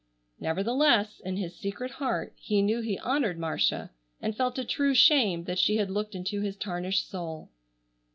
Nevertheless, in his secret heart, he knew he honored Marcia and felt a true shame that she had looked into his tarnished soul.